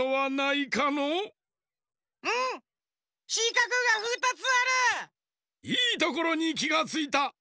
いいところにきがついた！